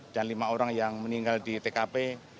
dan lima orang yang meninggal di tkp